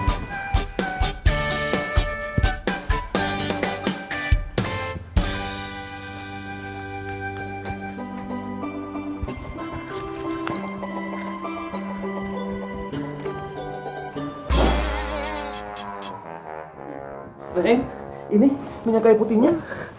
ini minyak kain putihnya